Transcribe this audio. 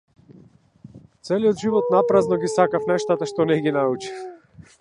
Целиот живот напразно ги сакав нештата што не ги научив.